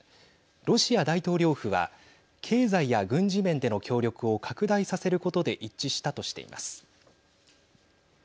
ロシア大統領府は経済や軍事面での協力を拡大させることで一致したとしています。